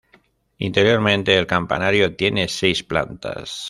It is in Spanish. Interiormente, el campanario tiene seis plantas.